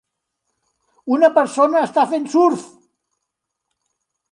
Una persona està fent surf.